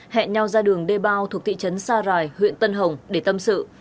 hẹn nhau ra đường đê bao thuộc thị trấn sa rài huyện tân hồng để tâm sự